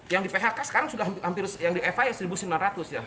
yang di phk sekarang sudah hampir yang di fi satu sembilan ratus ya